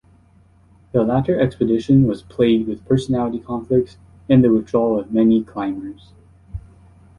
The latter expedition was plagued with personality conflicts and the withdrawal of many climbers.